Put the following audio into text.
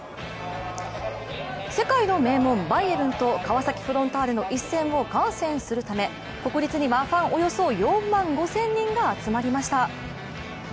世界の名門・バイエルンと、川崎フロンターレの一戦を観戦するため国立にはファンおよそ４万５０００人が集まりました。